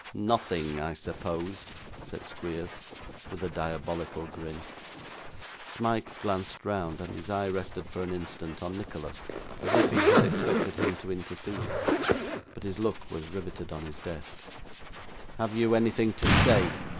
'Nothing, I suppose?' said Squeers, with a diabolical grin. Smike glanced round, and his eye rested, for an instant, on Nicholas, as if he had expected him to intercede; but his look was riveted on his desk. 'Have you anything to say?